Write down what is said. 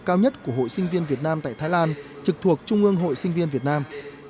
cao nhất của hội sinh viên việt nam tại thái lan trực thuộc trung ương hội sinh viên việt nam